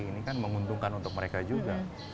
ini kan menguntungkan untuk mereka juga